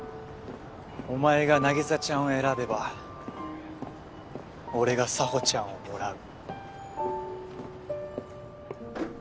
お前が凪沙ちゃんを選べば俺が沙帆ちゃんをもらう。